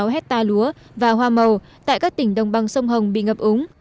bốn mươi hai sáu trăm linh sáu hectare lúa và hoa màu tại các tỉnh đồng băng sông hồng bị ngập úng